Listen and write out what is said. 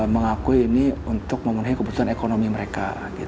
mengakui ini untuk memenuhi kebutuhan ekonomi mereka